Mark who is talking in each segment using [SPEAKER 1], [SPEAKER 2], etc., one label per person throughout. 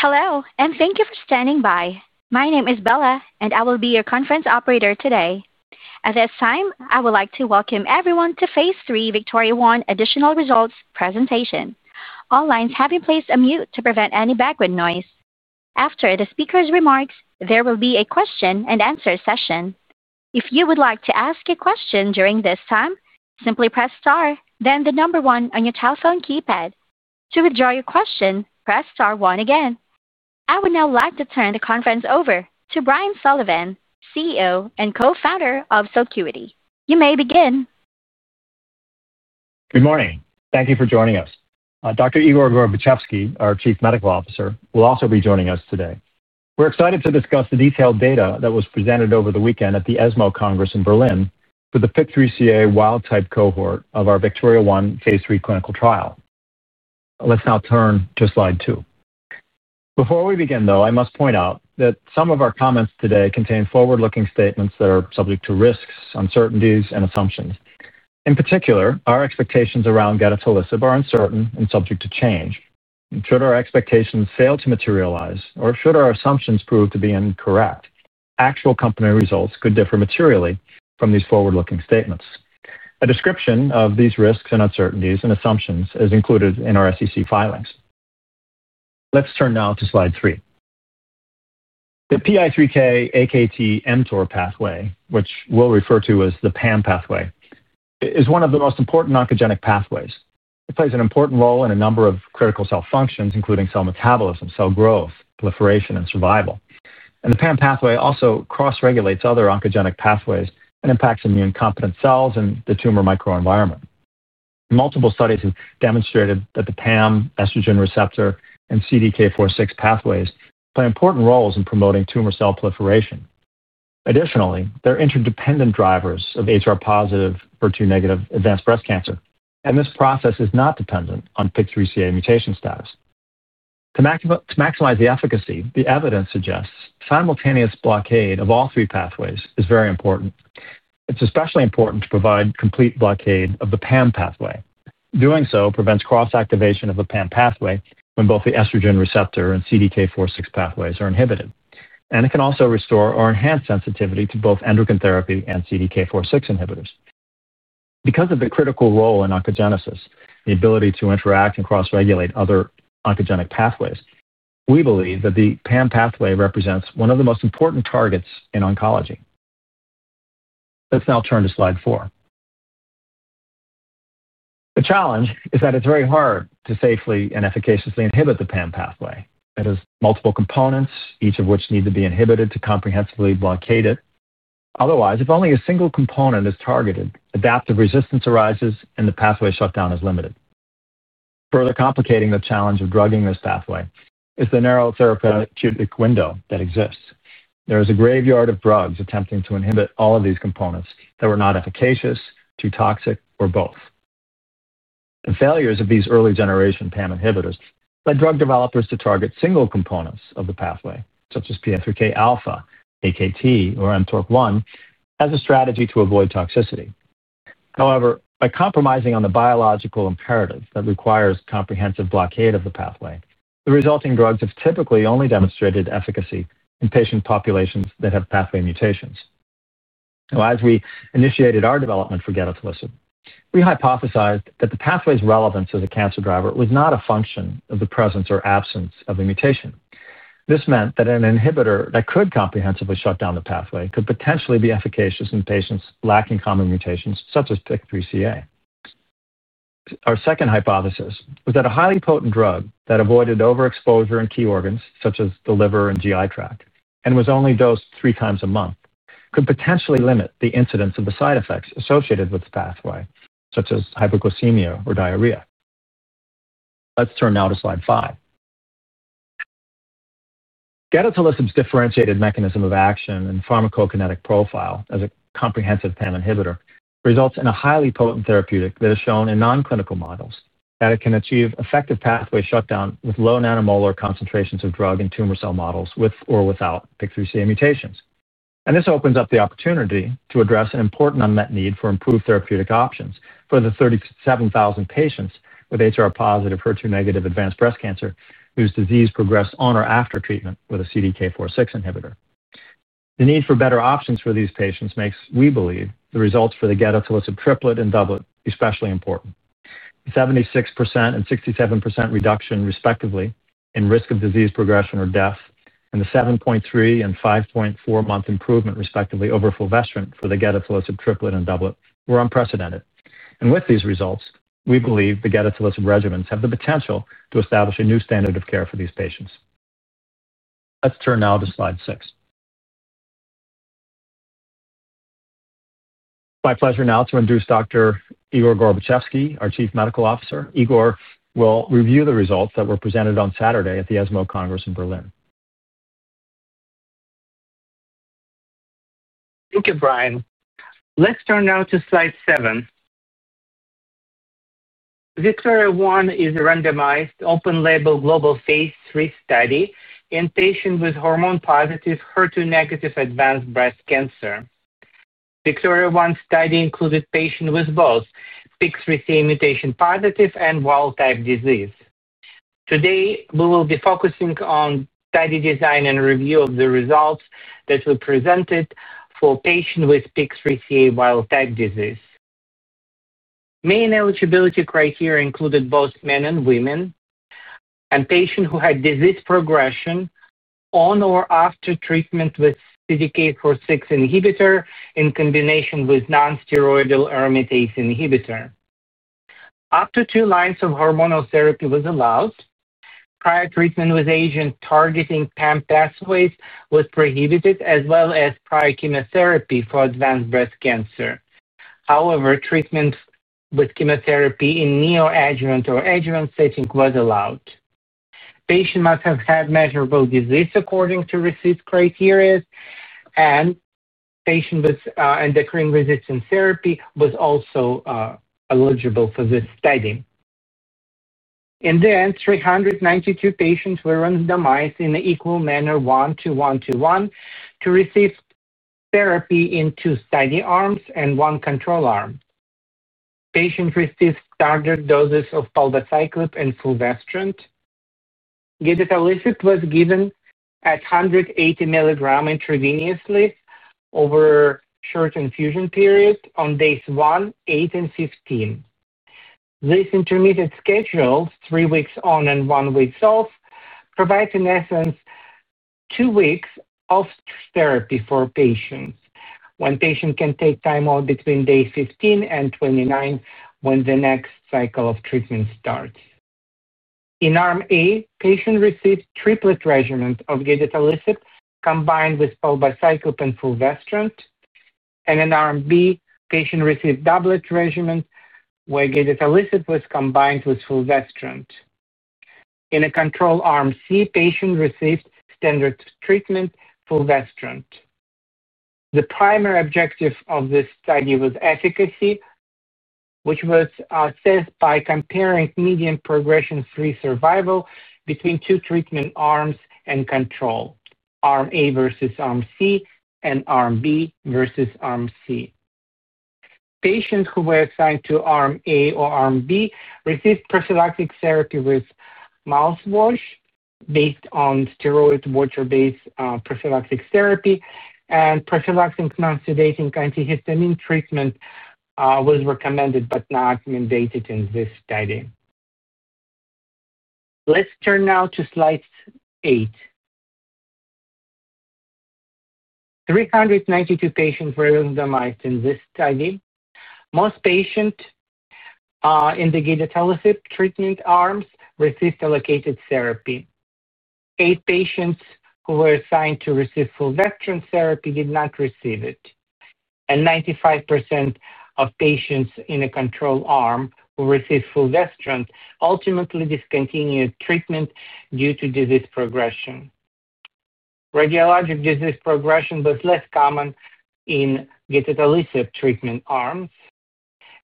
[SPEAKER 1] Hello, and thank you for standing by. My name is Bella, and I will be your conference operator today. At this time, I would like to welcome everyone to Phase III VIKTORIA-1 Additional Results Presentation. All lines have been placed on mute to prevent any background noise. After the speaker's remarks, there will be a question and answer session. If you would like to ask a question during this time, simply press star, then the number one on your telephone keypad. To withdraw your question, press star one again. I would now like to turn the conference over to Brian Sullivan, CEO and co-founder of Celcuity. You may begin.
[SPEAKER 2] Good morning. Thank you for joining us. Dr. Igor Gorbatchevsky, our Chief Medical Officer, will also be joining us today. We're excited to discuss the detailed data that was presented over the weekend at the ESMO Congress in Berlin for the PIK3CA wild type cohort of our VIKTORIA-1 phase III clinical trial. Let's now turn to slide two. Before we begin, though, I must point out that some of our comments today contain forward-looking statements that are subject to risks, uncertainties, and assumptions. In particular, our expectations around gedatolisib are uncertain and subject to change. Should our expectations fail to materialize, or should our assumptions prove to be incorrect, actual company results could differ materially from these forward-looking statements. A description of these risks and uncertainties and assumptions is included in our SEC filings. Let's turn now to slide three. The PI3K/AKT/mTOR pathway, which we'll refer to as the PAM pathway, is one of the most important oncogenic pathways. It plays an important role in a number of critical cell functions, including cell metabolism, cell growth, proliferation, and survival. The PAM pathway also cross-regulates other oncogenic pathways and impacts immune competent cells and the tumor microenvironment. Multiple studies have demonstrated that the PAM, estrogen receptor, and CDK4/6 pathways play important roles in promoting tumor cell proliferation. Additionally, they're interdependent drivers of HR positive, HER2 negative advanced breast cancer, and this process is not dependent on PIK3CA mutation status. To maximize the efficacy, the evidence suggests simultaneous blockade of all three pathways is very important. It's especially important to provide complete blockade of the PAM pathway. Doing so prevents cross-activation of the PAM pathway when both the estrogen receptor and CDK4/6 pathways are inhibited, and it can also restore or enhance sensitivity to both endocrine therapy and CDK4/6 inhibitors. Because of the critical role in oncogenesis, the ability to interact and cross-regulate other oncogenic pathways, we believe that the PAM pathway represents one of the most important targets in oncology. Let's now turn to slide four. The challenge is that it's very hard to safely and efficaciously inhibit the PAM pathway. It has multiple components, each of which needs to be inhibited to comprehensively blockade it. Otherwise, if only a single component is targeted, adaptive resistance arises, and the pathway shutdown is limited. Further complicating the challenge of drugging this pathway is the narrow therapeutic window that exists. There is a graveyard of drugs attempting to inhibit all of these components that were not efficacious, too toxic, or both. The failures of these early generation PAM inhibitors led drug developers to target single components of the pathway, such as PI3K-alpha, AKT, or mTORC1, as a strategy to avoid toxicity. However, by compromising on the biological imperative that requires comprehensive blockade of the pathway, the resulting drugs have typically only demonstrated efficacy in patient populations that have pathway mutations. Now, as we initiated our development for gedatolisib, we hypothesized that the pathway's relevance as a cancer driver was not a function of the presence or absence of a mutation. This meant that an inhibitor that could comprehensively shut down the pathway could potentially be efficacious in patients lacking common mutations, such as PIK3CA. Our second hypothesis was that a highly potent drug that avoided overexposure in key organs, such as the liver and GI tract, and was only dosed three times a month could potentially limit the incidence of the side effects associated with the pathway, such as hyperglycemia or diarrhea. Let's turn now to slide five. Gedatolisib's differentiated mechanism of action and pharmacokinetic profile as a comprehensive PAM inhibitor results in a highly potent therapeutic that is shown in non-clinical models that can achieve effective pathway shutdown with low nanomolar concentrations of drug in tumor cell models with or without PIK3CA mutations. This opens up the opportunity to address an important unmet need for improved therapeutic options for the 37,000 patients with HR positive, HER2 negative advanced breast cancer whose disease progressed on or after treatment with a CDK4/6 inhibitor. The need for better options for these patients makes, we believe, the results for the gedatolisib triplet and doublet especially important. The 76% and 67% reduction, respectively, in risk of disease progression or death and the 7.3 and 5.4 month improvement, respectively, over fulvestrant for the gedatolisib triplet and doublet were unprecedented. With these results, we believe the gedatolisib regimens have the potential to establish a new standard of care for these patients. Let's turn now to slide six. My pleasure now to introduce Dr. Igor Gorbatchevsky, our Chief Medical Officer. Igor will review the results that were presented on Saturday at the ESMO Congress in Berlin.
[SPEAKER 3] Thank you, Brian. Let's turn now to slide seven. VIKTORIA-1 is a randomized open-label global phase III study in patients with hormone receptor (HR) positive, HER2 negative advanced breast cancer. VIKTORIA-1 study included patients with both PIK3CA mutant and wild type disease. Today, we will be focusing on study design and review of the results that were presented for patients with PIK3CA wild type disease. Main eligibility criteria included both men and women and patients who had disease progression on or after treatment with a CDK4/6 inhibitor in combination with a non-steroidal aromatase inhibitor. Up to two lines of hormonal therapy were allowed. Prior treatment with agents targeting PAM pathways was prohibited, as well as prior chemotherapy for advanced breast cancer. However, treatment with chemotherapy in neoadjuvant or adjuvant setting was allowed. Patients must have had measurable disease according to RECIST criteria, and patients with endocrine resistant therapy were also eligible for this study. In the end, 392 patients were randomized in an equal manner, 1:1:1, to receive therapy in two study arms and one control arm. Patients received standard doses of palbociclib and fulvestrant. Gedatolisib was given at 180 mg intravenously over a short infusion period on days 1, 8, and 15. This intermittent schedule, three weeks on and one week off, provides, in essence, two weeks off therapy for patients when patients can take time off between day 15 and 29 when the next cycle of treatment starts. In arm A, patients received triplet regimens of gedatolisib combined with palbociclib and fulvestrant. In arm B, patients received doublet regimens where gedatolisib was combined with fulvestrant. In a control arm C, patients received standard treatment fulvestrant. The primary objective of this study was efficacy, which was assessed by comparing median progression-free survival (PFS) between two treatment arms and control, arm A versus arm C and arm B versus arm C. Patients who were assigned to arm A or arm B received prophylactic therapy with mouthwash based on steroid water-based prophylactic therapy, and prophylactic non-sedating antihistamine treatment was recommended, but not mandated in this study. Let's turn now to slide eight. 392 patients were randomized in this study. Most patients in the gedatolisib treatment arms received allocated therapy. Eight patients who were assigned to receive fulvestrant therapy did not receive it. 95% of patients in a control arm who received fulvestrant ultimately discontinued treatment due to disease progression. Radiologic disease progression was less common in gedatolisib treatment arms.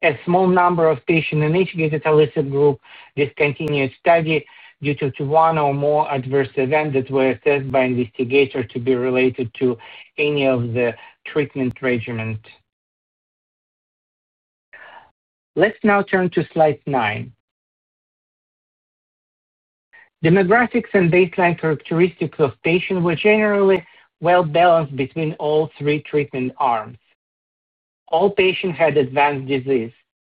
[SPEAKER 3] A small number of patients in each gedatolisib group discontinued study due to one or more adverse events that were assessed by investigators to be related to any of the treatment regimens. Let's now turn to slide nine. Demographics and baseline characteristics of patients were generally well balanced between all three treatment arms. All patients had advanced disease.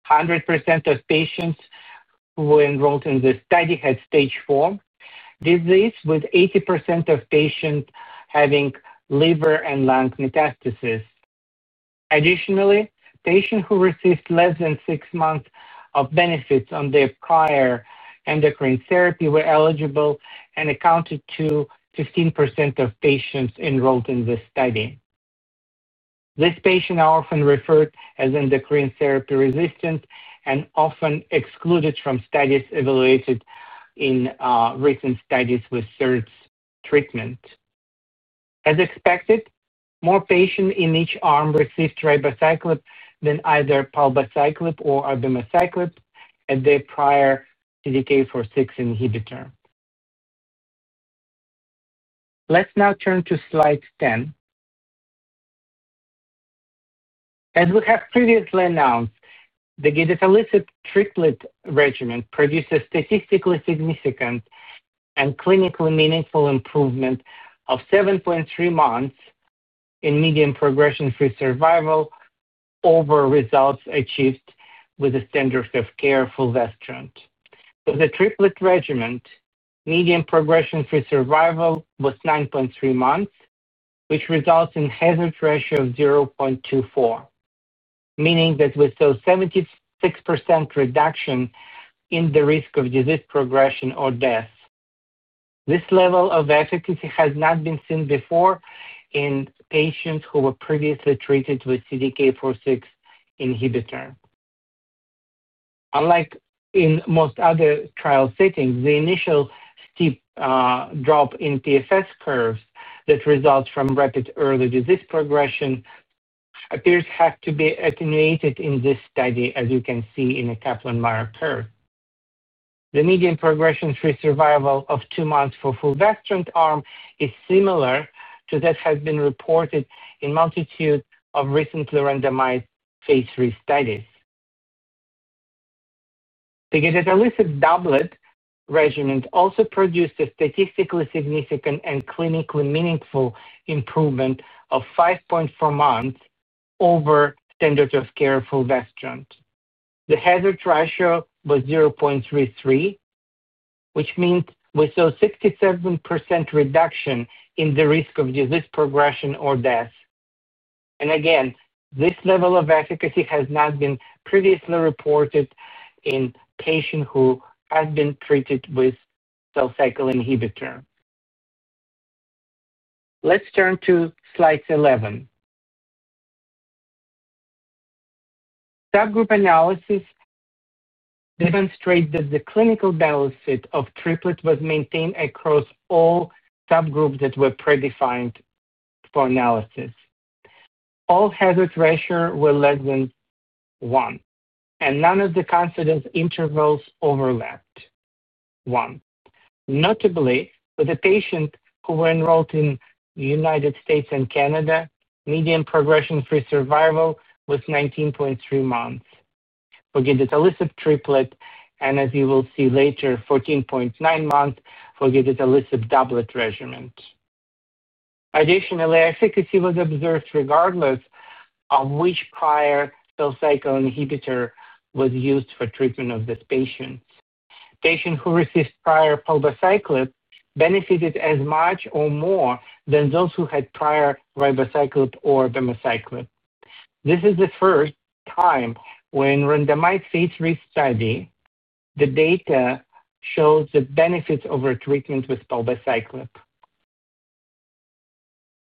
[SPEAKER 3] 100% of patients who were enrolled in this study had stage four disease, with 80% of patients having liver and lung metastases. Additionally, patients who received less than six months of benefit on their prior endocrine therapy were eligible and accounted for 15% of patients enrolled in this study. These patients are often referred to as endocrine therapy resistant and often excluded from studies evaluated in recent studies with third treatment. As expected, more patients in each arm received ribociclib than either palbociclib or abemaciclib as their prior CDK4/6 inhibitor. Let's now turn to slide 10. As we have previously announced, the gedatolisib triplet regimen produced a statistically significant and clinically meaningful improvement of 7.3 months in median progression-free survival over results achieved with the standard of care fulvestrant. For the triplet regimen, median progression-free survival was 9.3 months, which results in a hazard ratio of 0.24, meaning that we saw a 76% reduction in the risk of disease progression or death. This level of efficacy has not been seen before in patients who were previously treated with a CDK4/6 inhibitor. Unlike in most other trial settings, the initial steep drop in PFS curves that result from rapid early disease progression appears to have to be attenuated in this study, as you can see in the Kaplan-Meier curve. The median progression-free survival of two months for the fulvestrant arm is similar to that that has been reported in a multitude of recently randomized phase III studies. The gedatolisib doublet regimen also produced a statistically significant and clinically meaningful improvement of 5.4 months over standard of care fulvestrant. The hazard ratio was 0.33, which means we saw a 67% reduction in the risk of disease progression or death. This level of efficacy has not been previously reported in patients who have been treated with cell cycle inhibitor. Let's turn to slide 11. Subgroup analysis demonstrated that the clinical benefit of triplet was maintained across all subgroups that were predefined for analysis. All hazard ratios were less than one, and none of the confidence intervals overlapped. Notably, for the patients who were enrolled in the United States. and Canada, median progression-free survival was 19.3 months for gedatolisib triplet and, as you will see later, 14.9 months for gedatolisib doublet regimen. Additionally, efficacy was observed regardless of which prior cell cycle inhibitor was used for treatment of these patients. Patients who received prior palbociclib benefited as much or more than those who had prior ribociclib or abemaciclib. This is the first time when a randomized phase III study, the data shows the benefits over treatment with palbociclib.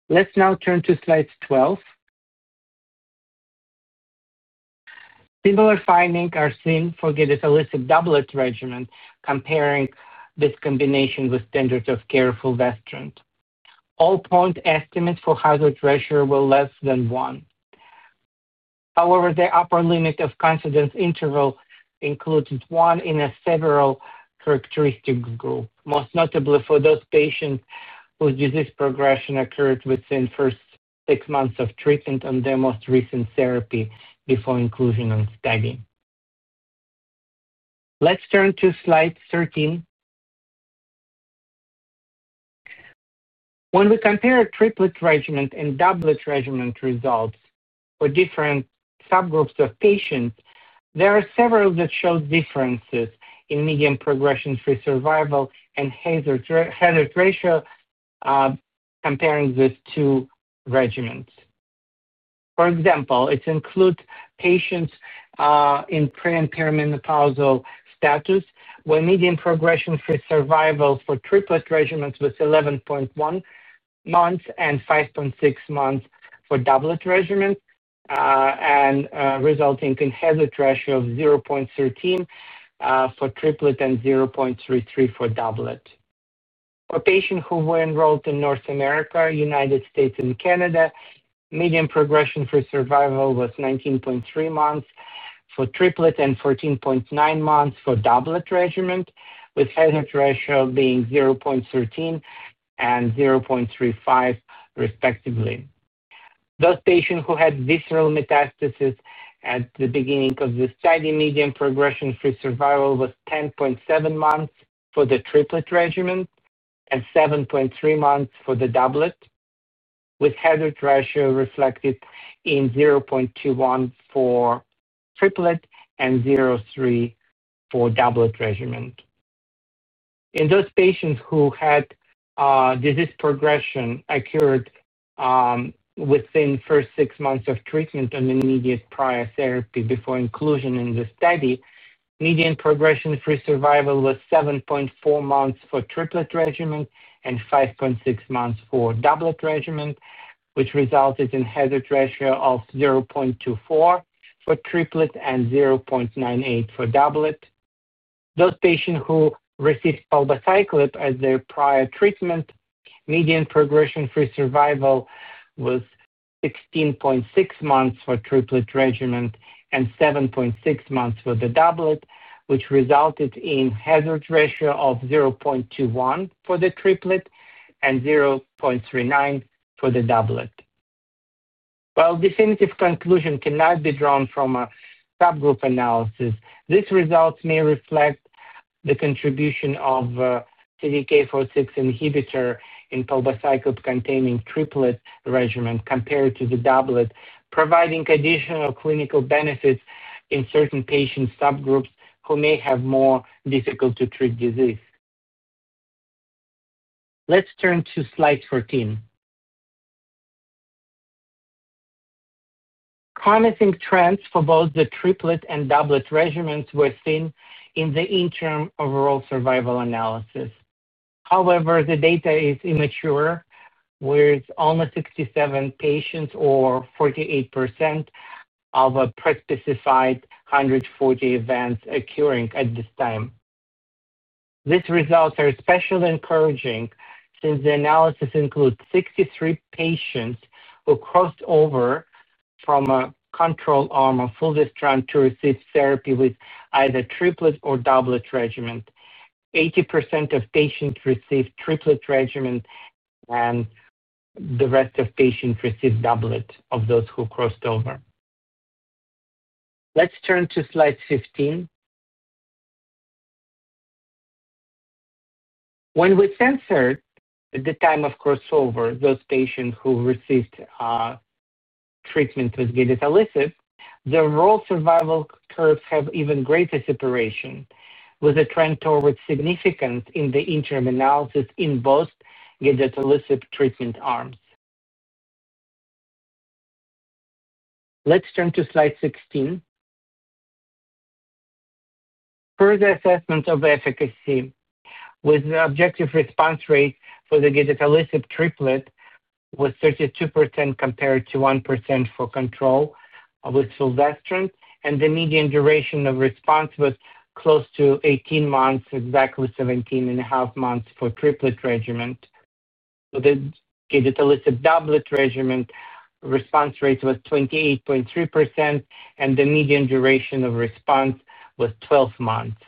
[SPEAKER 3] Let's now turn to slide 12. Similar findings are seen for gedatolisib doublet regimen comparing this combination with standard of care fulvestrant. All point estimates for hazard ratio were less than one. However, the upper limit of confidence interval includes one in a several characteristics group, most notably for those patients whose disease progression occurred within the first six months of treatment on their most recent therapy before inclusion in the study. Let's turn to slide 13. When we compare triplet regimen and doublet regimen results for different subgroups of patients, there are several that show differences in median progression-free survival and hazard ratio comparing these two regimens. For example, it includes patients in pre- and perimenopausal status where median progression-free survival for triplet regimens was 11.1 months and 5.6 months for doublet regimen, resulting in a hazard ratio of 0.13 for triplet and 0.33 for doublet. For patients who were enrolled in North America, United States, and Canada, median progression-free survival was 19.3 months for triplet and 14.9 months for doublet regimen, with a hazard ratio being 0.13 and 0.35, respectively. Those patients who had visceral metastasis at the beginning of the study, median progression-free survival was 10.7 months for the triplet regimen and 7.3 months for the doublet, with a hazard ratio reflected in 0.21 for triplet and 0.03 for doublet regimen. In those patients who had disease progression occur within the first six months of treatment on immediate prior therapy before inclusion in the study, median progression-free survival was 7.4 months for the triplet regimen and 5.6 months for the doublet regimen, which resulted in a hazard ratio of 0.24 for the triplet and 0.98 for the doublet. For those patients who received palbociclib as their prior treatment, median progression-free survival was 16.6 months for the triplet regimen and 7.6 months for the doublet, which resulted in a hazard ratio of 0.21 for the triplet and 0.39 for the doublet. While a definitive conclusion cannot be drawn from a subgroup analysis, these results may reflect the contribution of CDK4/6 inhibitor in the palbociclib-containing triplet regimen compared to the doublet, providing additional clinical benefits in certain patient subgroups who may have more difficult-to-treat disease. Let's turn to slide 14. Promising trends for both the triplet and doublet regimens were seen in the interim overall survival analysis. However, the data is immature, with only 67 patients or 48% of a prespecified 140 events occurring at this time. These results are especially encouraging since the analysis includes 63 patients who crossed over from a control arm of fulvestrant to receive therapy with either the triplet or doublet regimen. 80% of patients received the triplet regimen, and the rest of the patients received the doublet of those who crossed over. Let's turn to slide 15. When we censored the time of crossover of those patients who received treatment with gedatolisib, the overall survival curves have even greater separation, with a trend towards significance in the interim analysis in both gedatolisib treatment arms. Let's turn to slide 16. Further assessment of efficacy, with the objective response rate for the gedatolisib triplet was 32% compared to 1% for control with fulvestrant, and the median duration of response was close to 18 months, exactly 17.5 months for the triplet regimen. For the gedatolisib doublet regimen, the response rate was 28.3%, and the median duration of response was 12 months.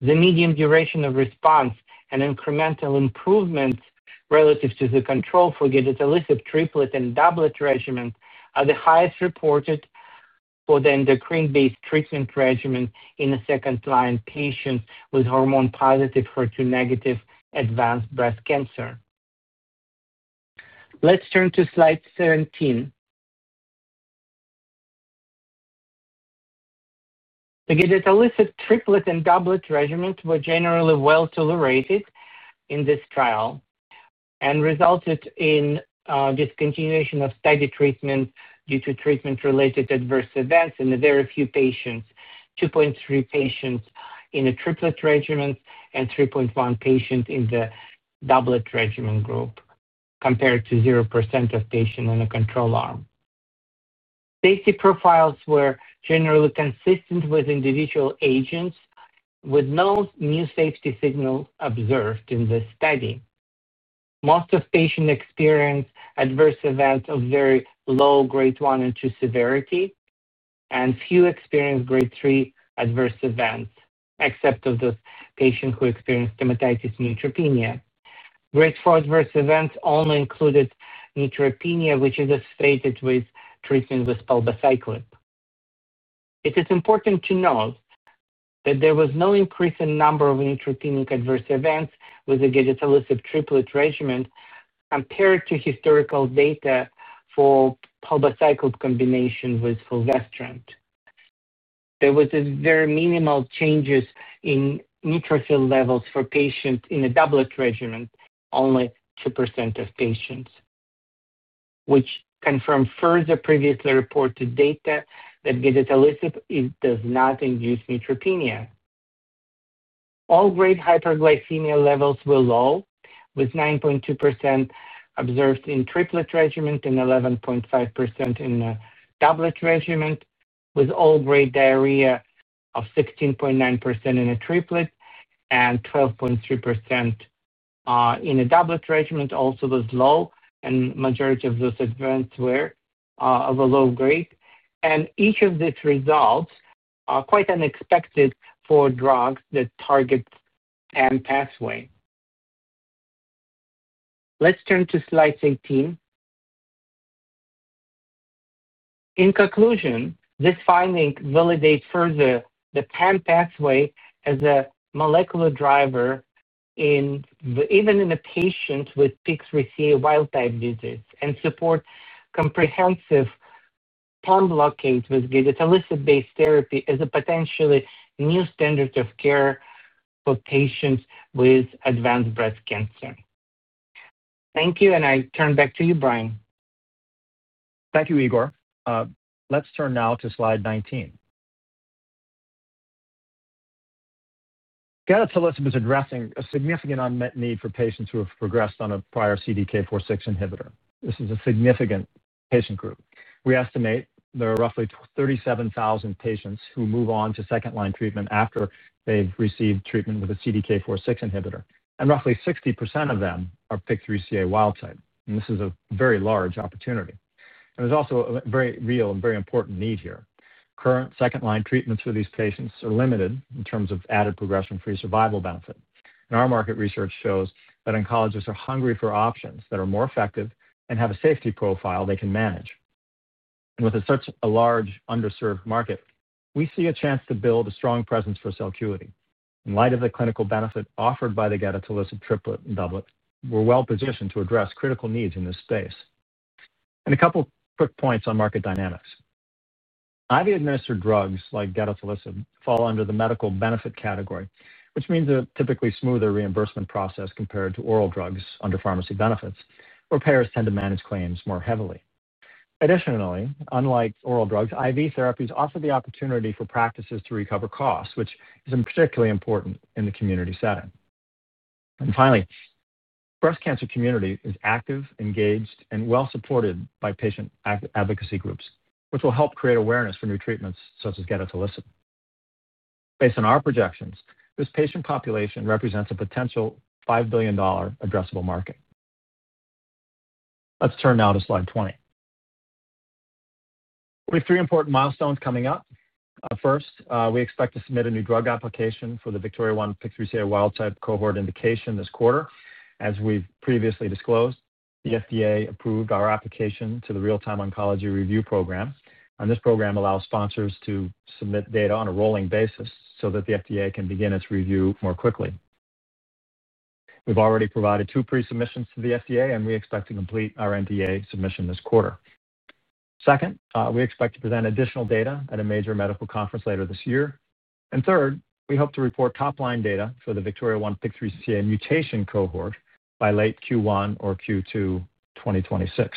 [SPEAKER 3] The median duration of response and incremental improvements relative to the control for the gedatolisib triplet and doublet regimen are the highest reported for the endocrine-based treatment regimen in the second-line patients with hormone receptor positive, HER2 negative advanced breast cancer. Let's turn to slide 17. The gedatolisib triplet and doublet regimen were generally well tolerated in this trial and resulted in discontinuation of study treatment due to treatment-related adverse events in a very few patients: 2.3% of patients in the triplet regimen and 3.1% of patients in the doublet regimen group, compared to 0% of patients in a control arm. Safety profiles were generally consistent with individual agents, with no new safety signals observed in this study. Most of the patients experienced adverse events of very low grade one and two severity, and few experienced grade three adverse events, except those patients who experienced dermatitis and neutropenia. Grade four adverse events only included neutropenia, which is associated with treatment with palbociclib. It is important to note that there was no increase in the number of neutropenic adverse events with the gedatolisib triplet regimen compared to historical data for palbociclib combination with fulvestrant. There were very minimal changes in neutrophil levels for patients in the doublet regimen, only 2% of patients, which confirmed further previously reported data that gedatolisib does not induce neutropenia. All grade hyperglycemia levels were low, with 9.2% observed in the triplet regimen and 11.5% in the doublet regimen, with all grade diarrhea of 16.9% in the triplet and 12.3% in the doublet regimen also was low, and the majority of those events were of a low grade. Each of these results is quite unexpected for drugs that target the PAM pathway. Let's turn to slide 18. In conclusion, this finding validates further the PAM pathway as a molecular driver, even in a patient with PIK3CA wild type disease, and supports comprehensive PAM blockade with gedatolisib-based therapy as a potentially new standard of care for patients with advanced breast cancer. Thank you, and I turn back to you, Brian.
[SPEAKER 2] Thank you, Igor. Let's turn now to slide 19. Gedatolisib is addressing a significant unmet need for patients who have progressed on a prior CDK4/6 inhibitor. This is a significant patient group. We estimate there are roughly 37,000 patients who move on to second-line treatment after they've received treatment with a CDK4/6 inhibitor, and roughly 60% of them are PIK3CA wild type. This is a very large opportunity. There is also a very real and very important need here. Current second-line treatments for these patients are limited in terms of added progression-free survival benefit. Our market research shows that oncologists are hungry for options that are more effective and have a safety profile they can manage. With such a large underserved market, we see a chance to build a strong presence for Celcuity. In light of the clinical benefit offered by the gedatolisib triplet and doublet, we're well positioned to address critical needs in this space. A couple of quick points on market dynamics. IV-administered drugs like gedatolisib fall under the medical benefit category, which means a typically smoother reimbursement process compared to oral drugs under pharmacy benefits, where payers tend to manage claims more heavily. Additionally, unlike oral drugs, IV therapies offer the opportunity for practices to recover costs, which is particularly important in the community setting. The breast cancer community is active, engaged, and well supported by patient advocacy groups, which will help create awareness for new treatments such as gedatolisib. Based on our projections, this patient population represents a potential $5 billion addressable market. Let's turn now to slide 20. We have three important milestones coming up. First, we expect to submit a New Drug Application for the VIKTORIA-1 PIK3CA wild type cohort indication this quarter. As we've previously disclosed, the FDA approved our application to the Real-Time Oncology Review Program, and this program allows sponsors to submit data on a rolling basis so that the FDA can begin its review more quickly. We've already provided two pre-submissions to the FDA, and we expect to complete our NDA submission this quarter. Second, we expect to present additional data at a major medical conference later this year. Third, we hope to report top-line data for the VIKTORIA-1 PIK3CA mutation cohort by late Q1 or Q2 2026.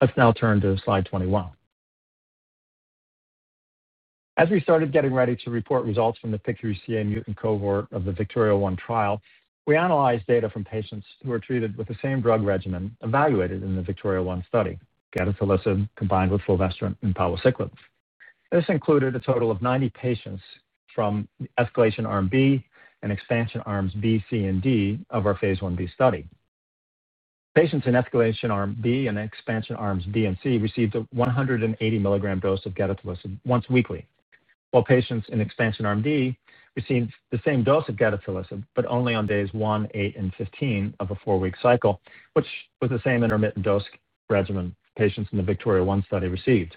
[SPEAKER 2] Let's now turn to slide 21. As we started getting ready to report results from the PIK3CA mutant cohort of the VIKTORIA-1 trial, we analyzed data from patients who were treated with the same drug regimen evaluated in the VIKTORIA-1 study: gedatolisib combined with fulvestrant and palbociclib. This included a total of 90 patients from the escalation arm B and expansion arms B, C, and D of our phase Ib study. Patients in escalation arm B and expansion arms B and C received a 180 mg dose of gedatolisib once weekly, while patients in expansion arm D received the same dose of gedatolisib, but only on days one, eight, and 15 of a four-week cycle, which was the same intermittent dose regimen patients in the VIKTORIA-1 study received.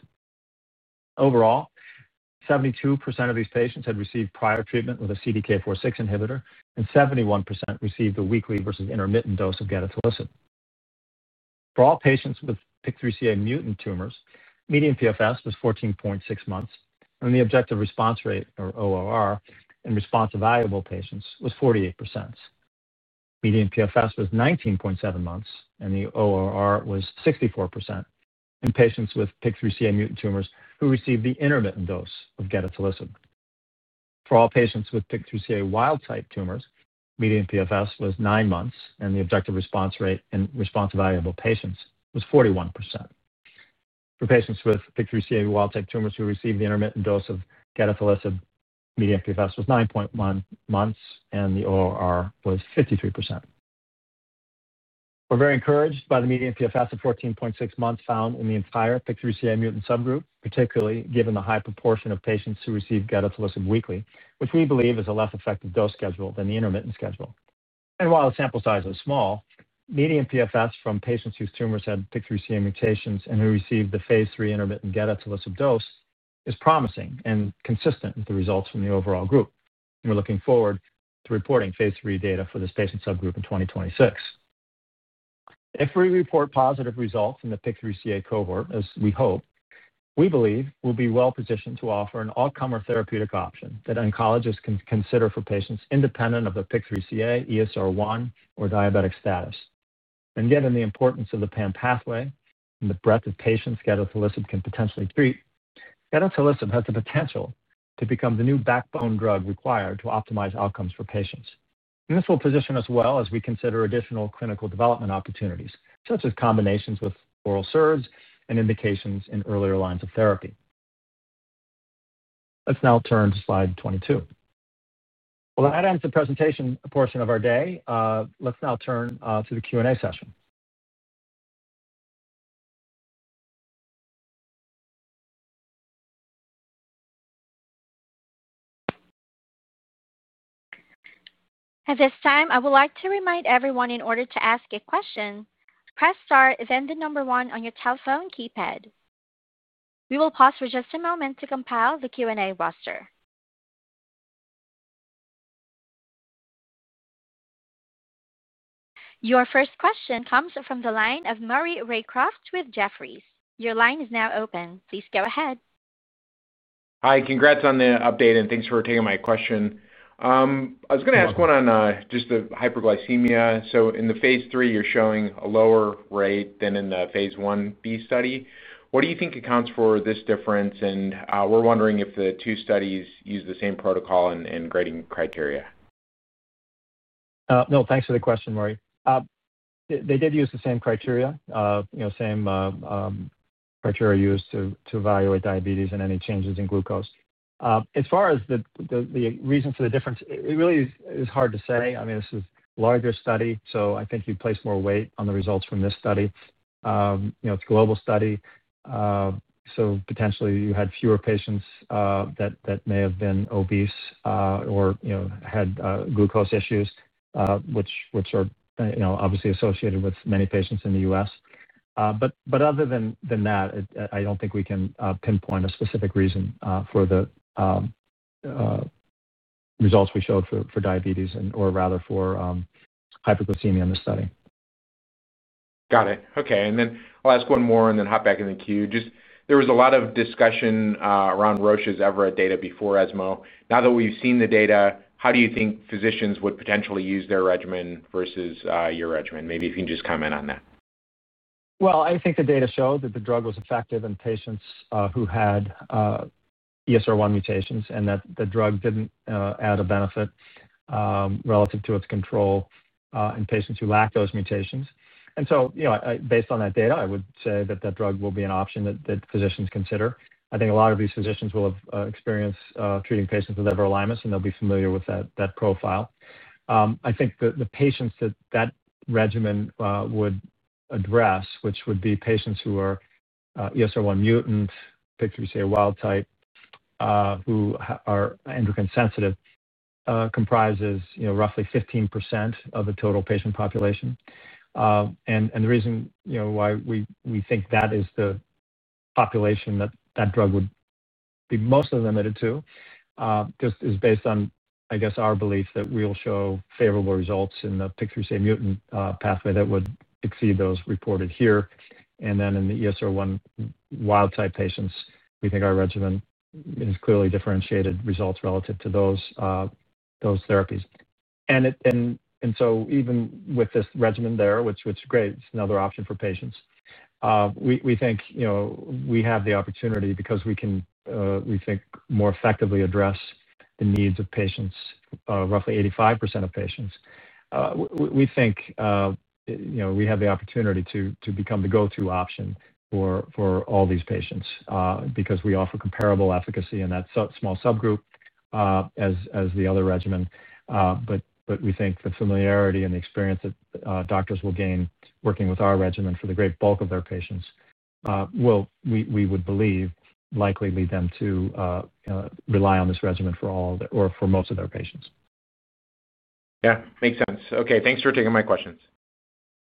[SPEAKER 2] Overall, 72% of these patients had received prior treatment with a CDK4/6 inhibitor, and 71% received a weekly versus intermittent dose of gedatolisib. For all patients with PIK3CA mutant tumors, median PFS was 14.6 months, and the objective response rate, or ORR, in response evaluable patients was 48%. Median PFS was 19.7 months, and the ORR was 64% in patients with PIK3CA mutant tumors who received the intermittent dose of gedatolisib. For all patients with PIK3CA wild type tumors, median PFS was 9 months, and the objective response rate in response evaluable patients was 41%. For patients with PIK3CA wild type tumors who received the intermittent dose of gedatolisib, median PFS was 9.1 months, and the ORR was 53%. We are very encouraged by the median PFS of 14.6 months found in the entire PIK3CA mutant subgroup, particularly given the high proportion of patients who received gedatolisib weekly, which we believe is a less effective dose schedule than the intermittent schedule. While the sample size is small, median PFS from patients whose tumors had PIK3CA mutations and who received the phase III intermittent gedatolisib dose is promising and consistent with the results from the overall group. We are looking forward to reporting phase III data for this patient subgroup in 2026. If we report positive results in the PIK3CA cohort, as we hope, we believe we will be well positioned to offer an all-comer therapeutic option that oncologists can consider for patients independent of their PIK3CA, ESR1, or diabetic status. Given the importance of the PAM pathway and the breadth of patients gedatolisib can potentially treat, gedatolisib has the potential to become the new backbone drug required to optimize outcomes for patients. This will position us well as we consider additional clinical development opportunities, such as combinations with oral SERDs and indications in earlier lines of therapy. Let's now turn to slide 22. That ends the presentation portion of our day. Let's now turn to the Q&A session.
[SPEAKER 1] At this time, I would like to remind everyone, in order to ask a question, press star and then the number one on your telephone keypad. We will pause for just a moment to compile the Q&A roster. Your first question comes from the line of Maury Raycroft with Jefferies. Your line is now open. Please go ahead.
[SPEAKER 4] Hi. Congrats on the update, and thanks for taking my question. I was going to ask one on just the hyperglycemia. In the phase III, you're showing a lower rate than in the phase I b study. What do you think accounts for this difference? We're wondering if the two studies use the same protocol and grading criteria.
[SPEAKER 2] No, thanks for the question, Maury. They did use the same criteria, you know, same criteria used to evaluate diabetes and any changes in glucose. As far as the reason for the difference, it really is hard to say. I mean, this is a larger study, so I think you'd place more weight on the results from this study. It's a global study, so potentially you had fewer patients that may have been obese or, you know, had glucose issues, which are, you know, obviously associated with many patients in the U.S. Other than that, I don't think we can pinpoint a specific reason for the results we showed for diabetes and/or rather for hyperglycemia in the study.
[SPEAKER 4] Got it. Okay. I'll ask one more and then hop back in the queue. There was a lot of discussion around Roche's evERA data before ESMO. Now that we've seen the data, how do you think physicians would potentially use their regimen versus your regimen? Maybe if you can just comment on that.
[SPEAKER 2] I think the data showed that the drug was effective in patients who had ESR1 mutations and that the drug didn't add a benefit relative to its control in patients who lack those mutations. Based on that data, I would say that that drug will be an option that physicians consider. I think a lot of these physicians will have experience treating patients with everolimus, and they'll be familiar with that profile. I think the patients that that regimen would address, which would be patients who are ESR1 mutant, PIK3CA wild type, who are endocrine sensitive, comprises roughly 15% of the total patient population. The reason why we think that is the population that that drug would be mostly limited to is just based on, I guess, our belief that we'll show favorable results in the PIK3CA mutant pathway that would exceed those reported here. In the ESR1 wild type patients, we think our regimen is clearly differentiated results relative to those therapies. Even with this regimen there, which is great, it's another option for patients, we think we have the opportunity because we can, we think, more effectively address the needs of patients, roughly 85% of patients. We think we have the opportunity to become the go-to option for all these patients because we offer comparable efficacy in that small subgroup as the other regimen. We think the familiarity and the experience that doctors will gain working with our regimen for the great bulk of their patients will, we would believe, likely lead them to rely on this regimen for all of their or for most of their patients.
[SPEAKER 4] Yeah. Makes sense. Okay, thanks for taking my questions.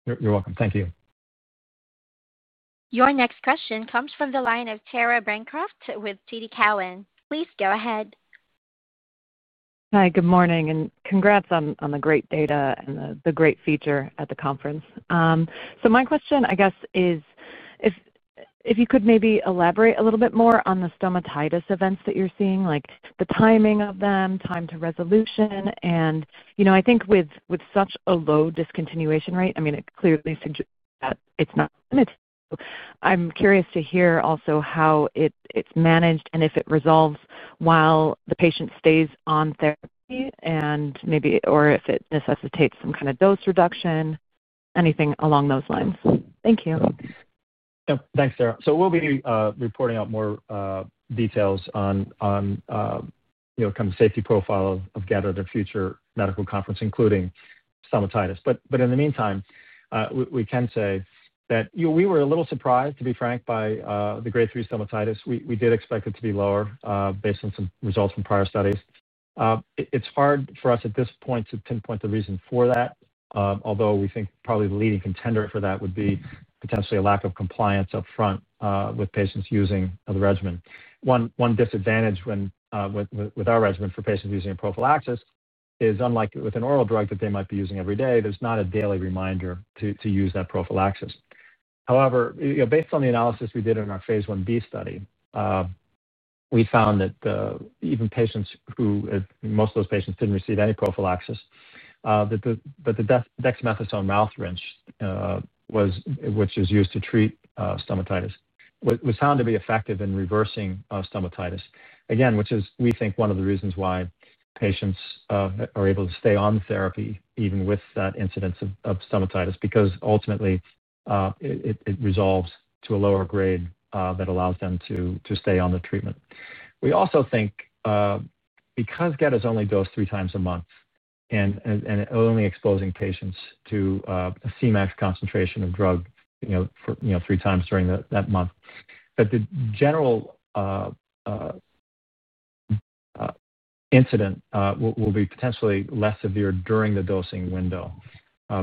[SPEAKER 2] You're welcome. Thank you.
[SPEAKER 1] Your next question comes from the line of Tara Bancroft with TD Cowen. Please go ahead.
[SPEAKER 5] Hi. Good morning. Congrats on the great data and the great feature at the conference. My question, I guess, is if you could maybe elaborate a little bit more on the stomatitis events that you're seeing, like the timing of them, time to resolution. I think with such a low discontinuation rate, it clearly suggests that it's not limited. I'm curious to hear also how it's managed and if it resolves while the patient stays on therapy or if it necessitates some kind of dose reduction, anything along those lines. Thank you.
[SPEAKER 2] Yeah. Thanks, Tara. We will be reporting out more details on the kind of safety profile of gedatolisib at a future medical conference, including stomatitis. In the meantime, we can say that we were a little surprised, to be frank, by the grade three stomatitis. We did expect it to be lower based on some results from prior studies. It's hard for us at this point to pinpoint the reason for that, although we think probably the leading contender for that would be potentially a lack of compliance upfront with patients using the regimen. One disadvantage with our regimen for patients using it prophylaxis is unlike with an oral drug that they might be using every day, there's not a daily reminder to use that prophylaxis. However, based on the analysis we did in our phase Ib study, we found that even patients who, most of those patients didn't receive any prophylaxis, that the dexamethasone mouth rinse, which is used to treat stomatitis, was found to be effective in reversing stomatitis. Again, which is, we think, one of the reasons why patients are able to stay on therapy even with that incidence of stomatitis, because ultimately it resolves to a lower grade that allows them to stay on the treatment. We also think because gedatolisib is only dosed three times a month and only exposing patients to a Cmax concentration of drug three times during that month, that the general incident will be potentially less severe during the dosing window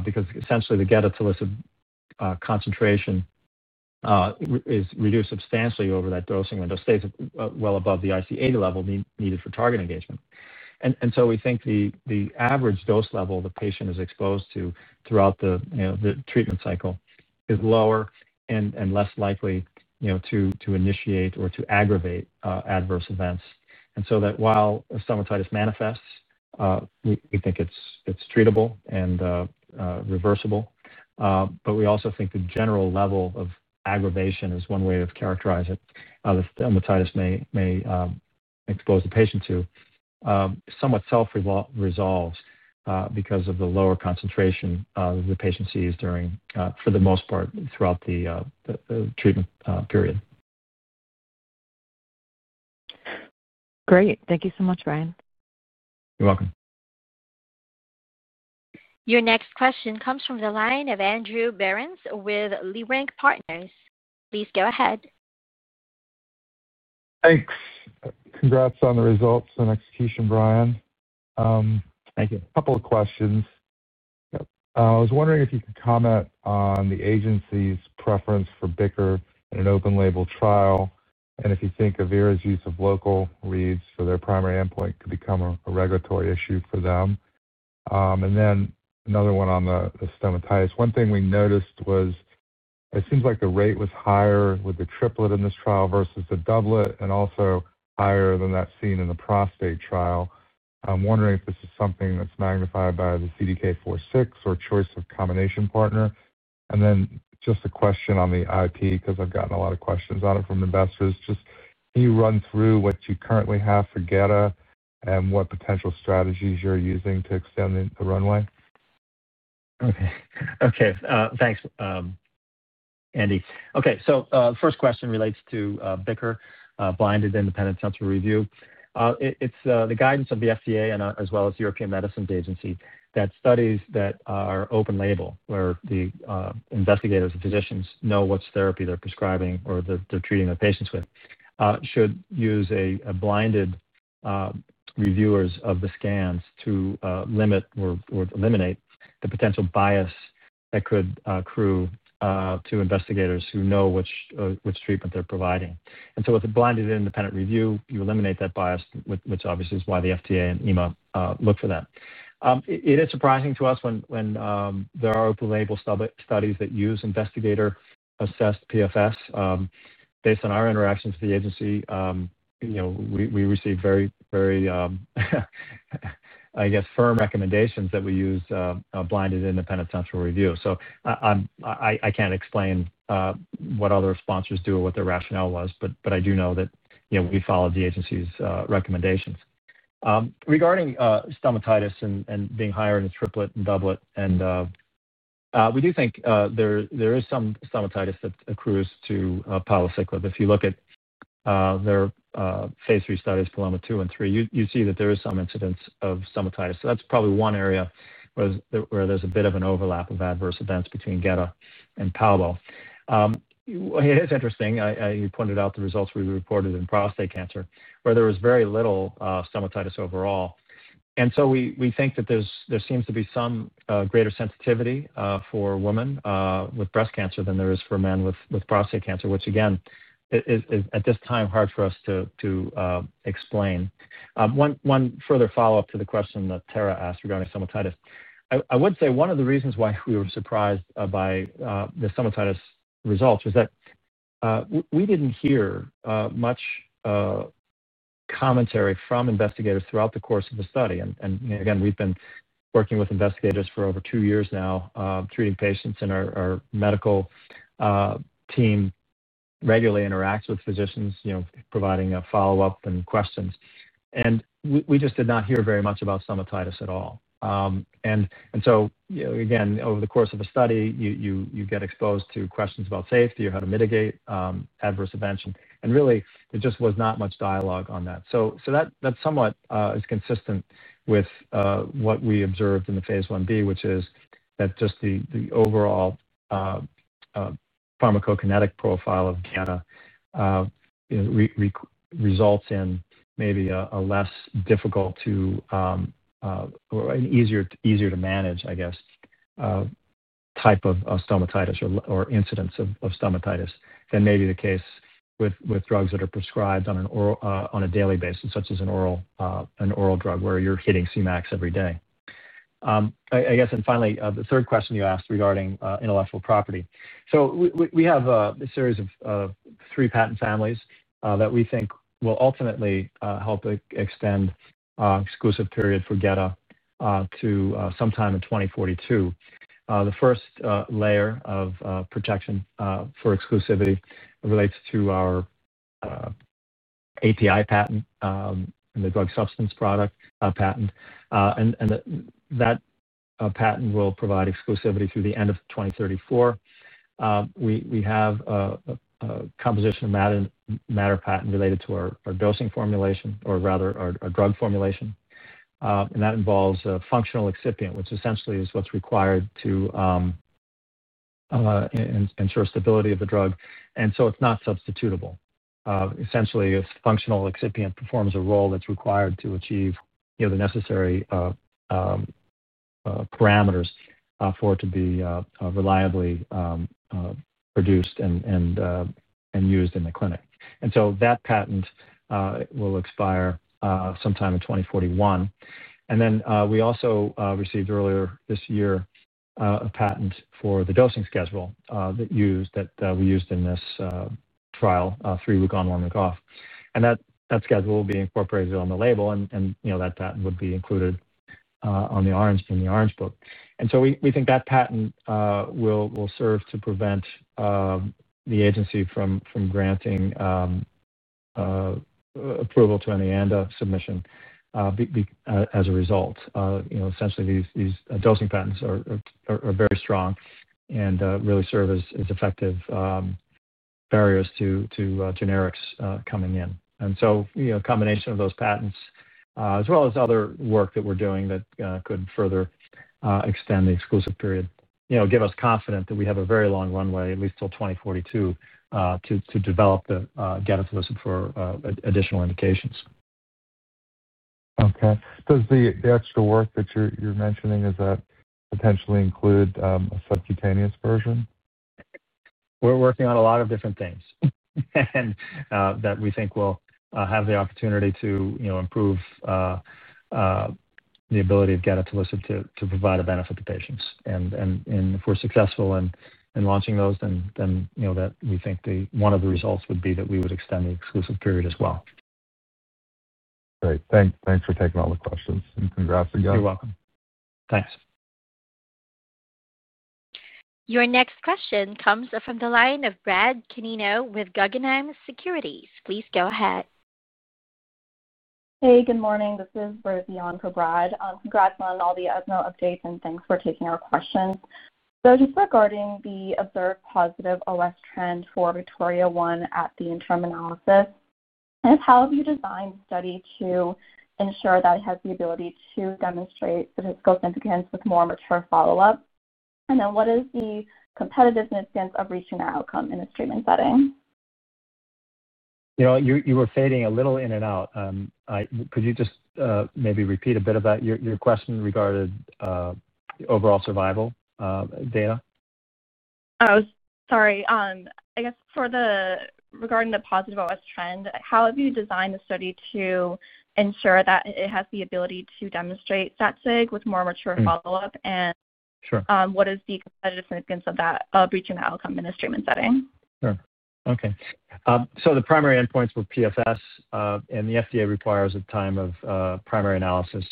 [SPEAKER 2] because essentially the gedatolisib concentration is reduced substantially over that dosing window, stays well above the IC80 level needed for target engagement. We think the average dose level the patient is exposed to throughout the treatment cycle is lower and less likely to initiate or to aggravate adverse events. While stomatitis manifests, we think it's treatable and reversible, but we also think the general level of aggravation is one way to characterize it, that stomatitis may expose the patient to, somewhat self-resolves because of the lower concentration the patient sees, for the most part, throughout the treatment period.
[SPEAKER 5] Great. Thank you so much, Brian.
[SPEAKER 2] You're welcome.
[SPEAKER 1] Your next question comes from the line of Andrew Berens with Leerink Partners. Please go ahead.
[SPEAKER 6] Thanks. Congrats on the results and execution, Brian.
[SPEAKER 2] Thank you.
[SPEAKER 6] A couple of questions. I was wondering if you could comment on the agency's preference for BICR in an open-label trial and if you think Avera's use of local reads for their primary endpoint could become a regulatory issue for them. Another one on the stomatitis. One thing we noticed was it seems like the rate was higher with the triplet in this trial versus the doublet and also higher than that seen in the prostate trial. I'm wondering if this is something that's magnified by the CDK4/6 or choice of combination partner. Just a question on the IP because I've gotten a lot of questions on it from investors. Can you run through what you currently have for GATA and what potential strategies you're using to extend the runway?
[SPEAKER 2] Okay. Thanks, Andy. The first question relates to BICR, blinded independent central review. It's the guidance of the FDA as well as the European Medicines Agency that studies that are open label, where the investigators and physicians know which therapy they're prescribing or they're treating their patients with, should use blinded reviewers of the scans to limit or eliminate the potential bias that could accrue to investigators who know which treatment they're providing. With a blinded independent review, you eliminate that bias, which obviously is why the FDA and EMA look for that. It is surprising to us when there are open-label studies that use investigator-assessed PFS. Based on our interactions with the agency, we receive very, very firm recommendations that we use blinded independent central review. I can't explain what other sponsors do or what their rationale was, but I do know that we follow the agency's recommendations. Regarding stomatitis and being higher in the triplet and doublet, we do think there is some stomatitis that accrues to palbociclib. If you look at their phase III studies, PALOMA-2 and -3, you see that there is some incidence of stomatitis. That's probably one area where there's a bit of an overlap of adverse events between gedatolisib and palbociclib. It's interesting you pointed out the results we reported in prostate cancer, where there was very little stomatitis overall. We think that there seems to be some greater sensitivity for women with breast cancer than there is for men with prostate cancer, which again is, at this time, hard for us to explain. One further follow-up to the question that Tara asked regarding stomatitis. I would say one of the reasons why we were surprised by the stomatitis results was that we didn't hear much commentary from investigators throughout the course of the study. We've been working with investigators for over two years now treating patients, and our medical team regularly interacts with physicians, providing follow-up and questions. We just did not hear very much about stomatitis at all. Over the course of a study, you get exposed to questions about safety or how to mitigate adverse events. There just was not much dialogue on that. That somewhat is consistent with what we observed in the Phase 1b, which is that just the overall pharmacokinetic profile of gedatolisib results in maybe a less difficult to or an easier to manage, I guess, type of stomatitis or incidence of stomatitis than maybe the case with drugs that are prescribed on a daily basis, such as an oral drug where you're hitting Cmax every day. I guess, finally, the third question you asked regarding intellectual property. We have a series of three patent families that we think will ultimately help extend exclusive period for GEDA to sometime in 2042. The first layer of protection for exclusivity relates to our API patent and the drug substance product patent, and that patent will provide exclusivity through the end of 2034. We have a composition of matter patent related to our dosing formulation, or rather our drug formulation, and that involves a functional excipient, which essentially is what's required to ensure stability of the drug. It's not substitutable. Essentially, a functional excipient performs a role that's required to achieve the necessary parameters for it to be reliably produced and used in the clinic, and that patent will expire sometime in 2041. We also received earlier this year a patent for the dosing schedule that we used in this trial, three week on, one week off. That schedule will be incorporated on the label, and that patent would be included in the Orange Book. We think that patent will serve to prevent the agency from granting approval to any ANDA submission as a result. Essentially, these dosing patents are very strong and really serve as effective barriers to generics coming in. A combination of those patents, as well as other work that we're doing that could further extend the exclusive period, give us confidence that we have a very long runway, at least till 2042, to develop gedatolisib for additional indications.
[SPEAKER 6] Okay. Does the extra work that you're mentioning, does that potentially include a subcutaneous version?
[SPEAKER 2] We're working on a lot of different things that we think will have the opportunity to improve the ability of gedatolisib to provide a benefit to patients. If we're successful in launching those, we think one of the results would be that we would extend the exclusive period as well.
[SPEAKER 6] Great, thanks for taking all the questions. Congrats again.
[SPEAKER 2] You're welcome. Thanks.
[SPEAKER 1] Your next question comes from the line of Brad Canino with Guggenheim Securities. Please go ahead. Hey. Good morning. This is Bridget Biancobrad. Congrats on all the ESMO updates and thanks for taking our questions. Just regarding the observed positive OS trend for VIKTORIA-1 at the interim analysis, I guess, how have you designed the study to ensure that it has the ability to demonstrate statistical significance with more mature follow-up? What is the competitive significance of reaching that outcome in the treatment setting?
[SPEAKER 2] You were fading a little in and out. Could you just maybe repeat a bit about your question regarding the overall survival data? Sorry. I guess regarding the positive OS trend, how have you designed the study to ensure that it has the ability to demonstrate statSIG with more mature follow-up? What is the competitive significance of reaching that outcome in the treatment setting? Sure. Okay. The primary endpoints were PFS, and the FDA requires at the time of primary analysis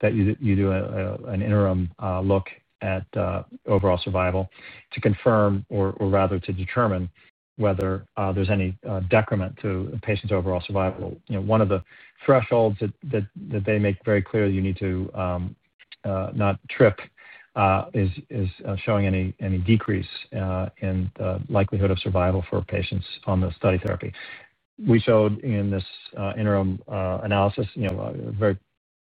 [SPEAKER 2] that you do an interim look at overall survival to confirm, or rather to determine, whether there's any decrement to the patient's overall survival. One of the thresholds that they make very clear that you need to not trip is showing any decrease in the likelihood of survival for patients on the study therapy. We showed in this interim analysis a very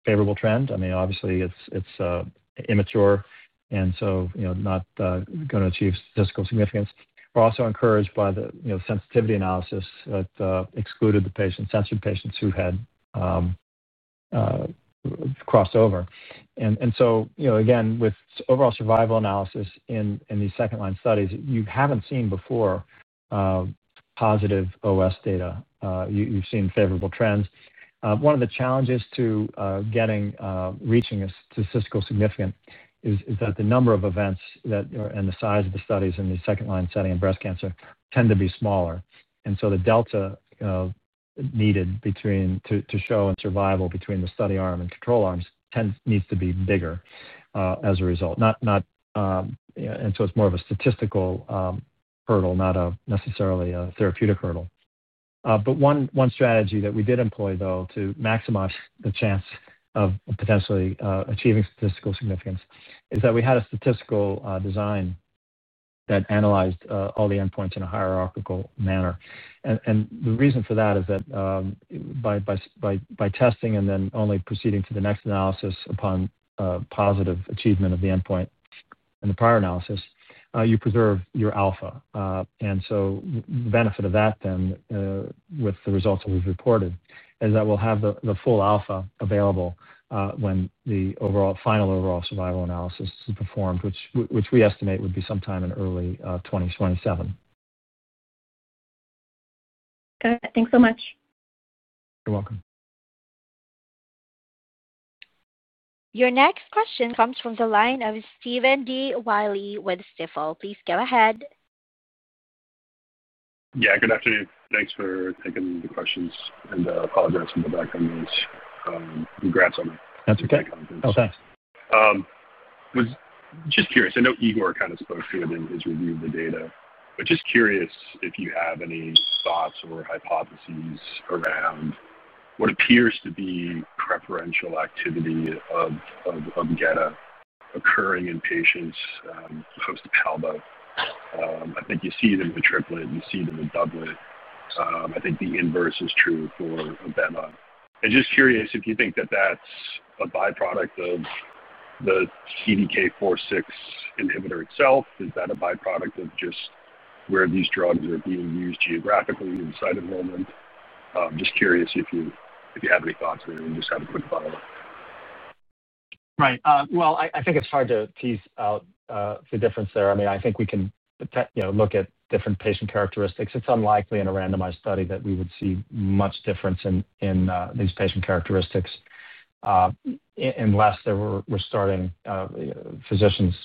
[SPEAKER 2] favorable trend. I mean, obviously, it's immature, and so not going to achieve statistical significance. We're also encouraged by the sensitivity analysis that excluded the patients, censored patients who had crossed over. Again, with overall survival analysis in these second-line studies, you haven't seen before positive OS data. You've seen favorable trends. One of the challenges to reaching statistical significance is that the number of events and the size of the studies in the second-line setting in breast cancer tend to be smaller. The delta needed to show in survival between the study arm and control arms needs to be bigger as a result. It's more of a statistical hurdle, not necessarily a therapeutic hurdle. One strategy that we did employ to maximize the chance of potentially achieving statistical significance is that we had a statistical design that analyzed all the endpoints in a hierarchical manner. The reason for that is that by testing and then only proceeding to the next analysis upon positive achievement of the endpoint in the prior analysis, you preserve your alpha. The benefit of that then, with the results that we've reported, is that we'll have the full alpha available when the final overall survival analysis is performed, which we estimate would be sometime in early 2027. Got it. Thanks so much. You're welcome.
[SPEAKER 1] Your next question comes from the line of Stephen Willey with Stifel. Please go ahead.
[SPEAKER 7] Yeah. Good afternoon. Thanks for taking the questions, and I apologize for the background noise. Congrats on the conference.
[SPEAKER 2] That's okay. Thanks.
[SPEAKER 7] I was just curious. I know Igor kind of spoke to it in his review of the data, but just curious if you have any thoughts or hypotheses around what appears to be preferential activity of gedatolisib occurring in patients as opposed to palbociclib. I think you see it in the triplet. You see it in the doublet. I think the inverse is true for abemaciclib. I'm just curious if you think that that's a byproduct of the CDK4/6 inhibitor itself. Is that a byproduct of just where these drugs are being used geographically inside enrollment? I'm just curious if you have any thoughts there and just have a quick follow-up.
[SPEAKER 2] Right. I think it's hard to tease out the difference there. I mean, I think we can look at different patient characteristics. It's unlikely in a randomized study that we would see much difference in these patient characteristics unless we're starting physicians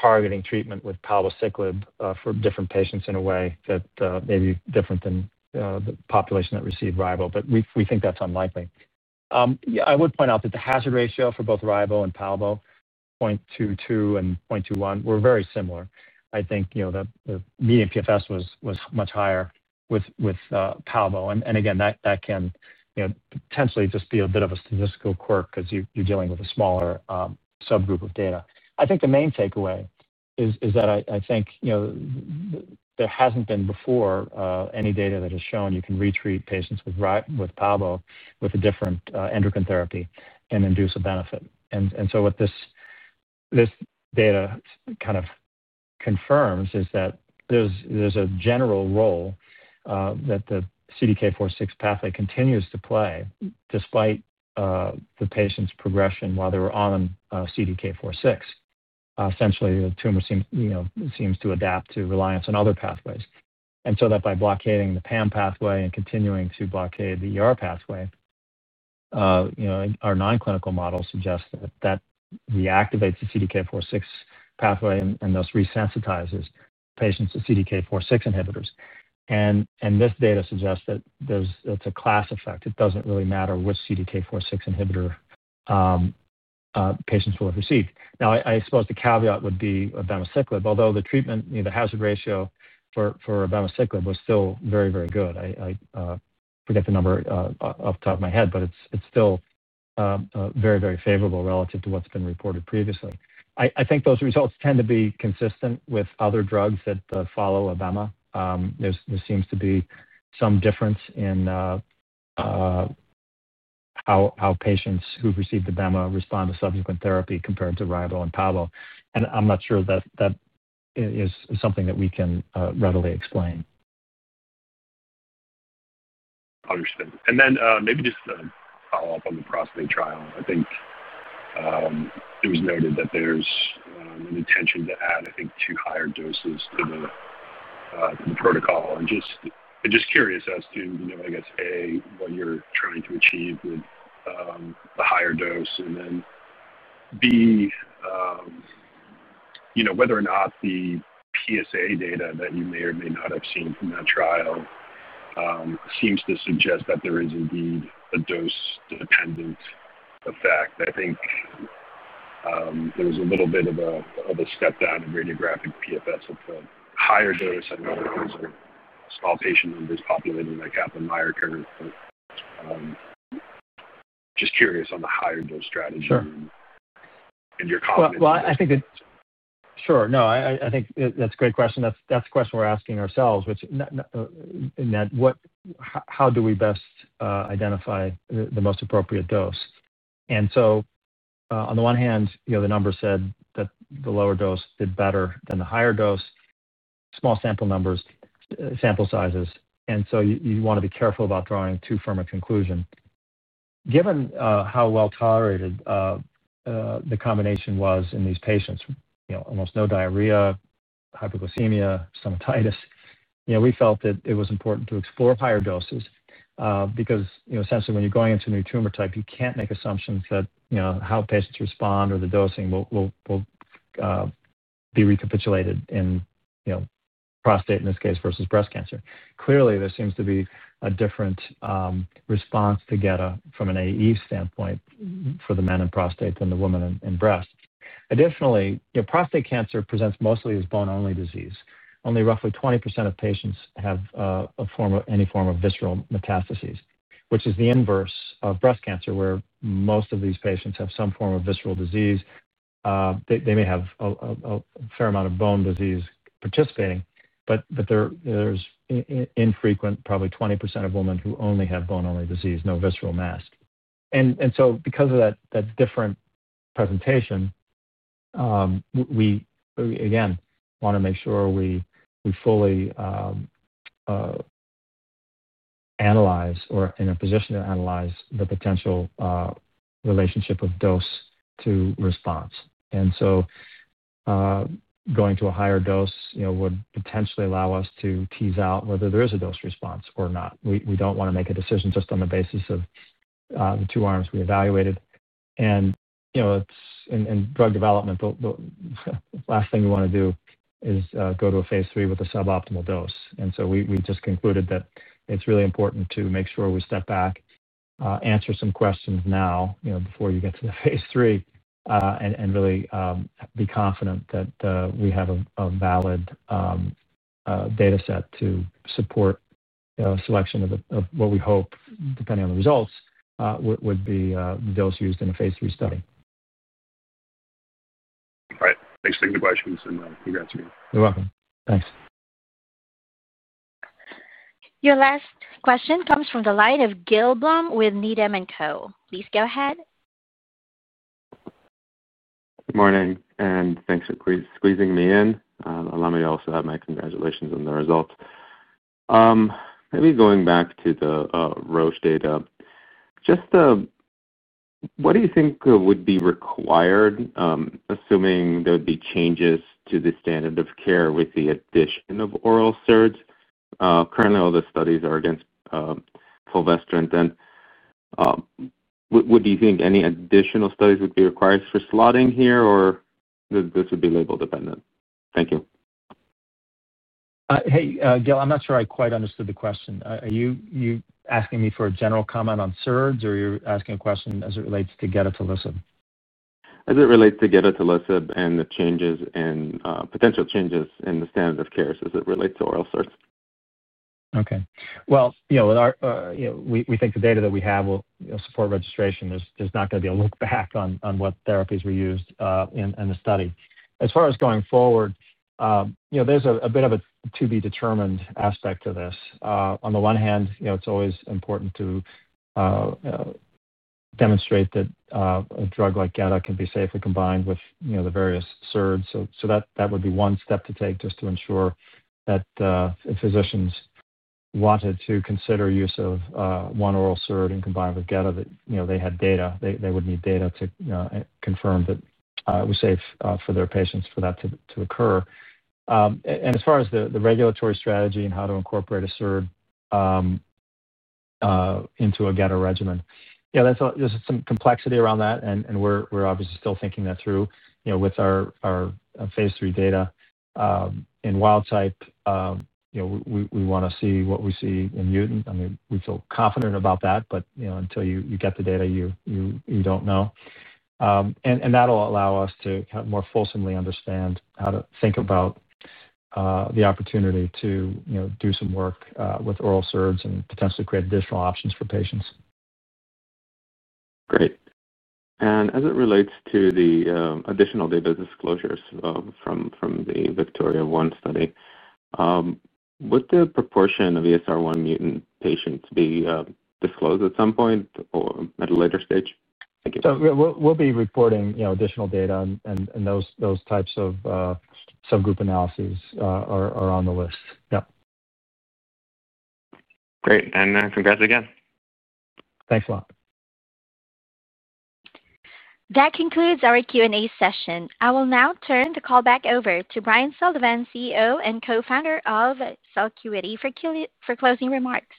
[SPEAKER 2] targeting treatment with palbociclib for different patients in a way that may be different than the population that received ribo. We think that's unlikely. I would point out that the hazard ratio for both ribo and palbo, 0.22 and 0.21, were very similar. I think that the median PFS was much higher with palbo. That can potentially just be a bit of a statistical quirk because you're dealing with a smaller subgroup of data. I think the main takeaway is that I think there hasn't been before any data that has shown you can retreat patients with palbo with a different endocrine therapy and induce a benefit. What this data kind of confirms is that there's a general role that the CDK4/6 pathway continues to play despite the patient's progression while they were on CDK4/6. Essentially, the tumor seems to adapt to reliance on other pathways. By blockading the PAM pathway and continuing to blockade the pathway, our non-clinical model suggests that that reactivates the CDK4/6 pathway and thus resensitizes patients to CDK4/6 inhibitors. This data suggests that it's a class effect. It doesn't really matter which CDK4/6 inhibitor patients will have received. I suppose the caveat would be abemaciclib, although the treatment, the hazard ratio for abemaciclib, was still very, very good. I forget the number off the top of my head, but it's still very, very favorable relative to what's been reported previously. I think those results tend to be consistent with other drugs that follow abema. There seems to be some difference in how patients who've received abema respond to subsequent therapy compared to ribo and palbo. I'm not sure that that is something that we can readily explain.
[SPEAKER 7] Understood. Maybe just a follow-up on the prostate trial. I think it was noted that there's an intention to add, I think, two higher doses to the protocol. I'm just curious as to, I guess, A, what you're trying to achieve with the higher dose, and then B, whether or not the PSA data that you may or may not have seen from that trial seems to suggest that there is indeed a dose-dependent effect. I think there was a little bit of a step down in radiographic PFS at the higher dose. I know there's a small patient number that's populated in the Kaplan-Meier curve, but just curious on the higher dose strategy and your confidence in that.
[SPEAKER 2] Sure. No, I think that's a great question. That's the question we're asking ourselves, which is how do we best identify the most appropriate dose? On the one hand, the numbers said that the lower dose did better than the higher dose, small sample numbers, sample sizes. You want to be careful about drawing too firm a conclusion. Given how well tolerated the combination was in these patients, almost no diarrhea, hyperglycemia, stomatitis, we felt that it was important to explore higher doses because essentially when you're going into a new tumor type, you can't make assumptions that how patients respond or the dosing will be recapitulated in prostate, in this case, versus breast cancer. Clearly, there seems to be a different response to gedatolisib from an adverse events standpoint for the men in prostate than the women in breast. Additionally, prostate cancer presents mostly as bone-only disease. Only roughly 20% of patients have any form of visceral metastases, which is the inverse of breast cancer, where most of these patients have some form of visceral disease. They may have a fair amount of bone disease participating, but there's infrequent, probably 20% of women who only have bone-only disease, no visceral mass. Because of that different presentation, we again want to make sure we fully analyze or are in a position to analyze the potential relationship of dose to response. Going to a higher dose would potentially allow us to tease out whether there is a dose response or not. We don't want to make a decision just on the basis of the two arms we evaluated. In drug development, the last thing we want to do is go to a phase III with a suboptimal dose. We just concluded that it's really important to make sure we step back, answer some questions now before you get to the phase III, and really be confident that we have a valid dataset to support a selection of what we hope, depending on the results, would be the dose used in a phase III study.
[SPEAKER 7] All right. Thanks for taking the questions, and congrats again.
[SPEAKER 2] You're welcome. Thanks.
[SPEAKER 1] Your last question comes from the line of Gil Blum with Needham & Co. Please go ahead.
[SPEAKER 8] Good morning, and thanks for squeezing me in. Allow me to also have my congratulations on the results. Maybe going back to the Roche data, just what do you think would be required, assuming there would be changes to the standard of care with the addition of oral SERDs? Currently, all the studies are against fulvestrant. Would you think any additional studies would be required for slotting here, or this would be label dependent? Thank you.
[SPEAKER 2] Hey, Gil. I'm not sure I quite understood the question. Are you asking me for a general comment on SERDs, or are you asking a question as it relates to gedatolisib?
[SPEAKER 8] As it relates to gedatolisib and the changes in potential changes in the standard of care, as it relates to oral SERDs.
[SPEAKER 2] Okay. We think the data that we have will support registration. There's not going to be a look back on what therapies were used in the study. As far as going forward, there's a bit of a to-be-determined aspect to this. On the one hand, it's always important to demonstrate that a drug like gedatolisib can be safely combined with the various SERDs. That would be one step to take just to ensure that if physicians wanted to consider use of one oral SERD and combine with gedatolisib, they had data. They would need data to confirm that it was safe for their patients for that to occur. As far as the regulatory strategy and how to incorporate a SERD into a gedatolisib regimen, yeah, there's some complexity around that, and we're obviously still thinking that through with our phase III data. In PIK3CA wild type, we want to see what we see in PIK3CA mutant. I mean, we feel confident about that, but until you get the data, you don't know. That'll allow us to kind of more fulsomely understand how to think about the opportunity to do some work with oral SERDs and potentially create additional options for patients.
[SPEAKER 8] Great. As it relates to the additional data disclosures from the VIKTORIA-1 study, would the proportion of ESR1 mutant patients be disclosed at some point or at a later stage?
[SPEAKER 2] We will be reporting additional data, and those types of subgroup analyses are on the list. Yeah.
[SPEAKER 8] Great. Congratulations again.
[SPEAKER 2] Thanks a lot.
[SPEAKER 1] That concludes our Q&A session. I will now turn the call back over to Brian Sullivan, CEO and co-founder of Celcuity, for closing remarks.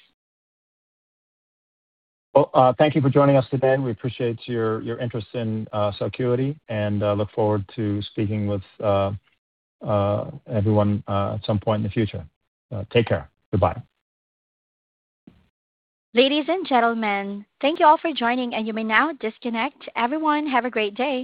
[SPEAKER 2] Thank you for joining us today. We appreciate your interest in Celcuity and look forward to speaking with everyone at some point in the future. Take care. Goodbye.
[SPEAKER 1] Ladies and gentlemen, thank you all for joining, and you may now disconnect. Everyone, have a great day.